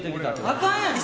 あかんやん。